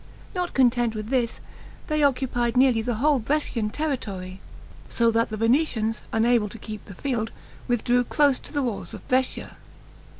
Not content with this, they occupied nearly the whole Brescian territory; so that the Venetians, unable to keep the field, withdrew close to the walls of Brescia.